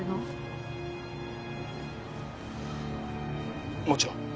もちろん。